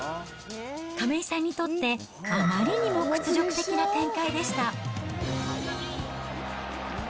亀井さんにとって、あまりにも屈辱的な展開でした。